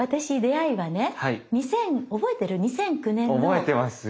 覚えてますよ。